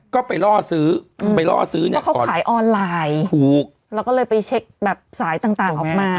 ก็ไปล่อซื้ออืมไปล่อซื้อเนี่ยเขาขายออนไลน์ถูกแล้วก็เลยไปเช็คแบบสายต่างต่างออกมา